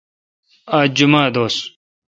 آج جمعہ دوس